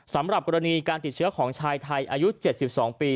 สำหรับกรณีการติดเชื้อของชายไทยอายุ๗๒ปี